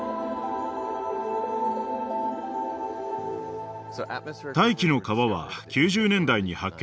大気の川は９０年代に発見されました。